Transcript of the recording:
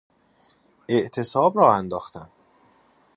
اعتصاب راه انداختن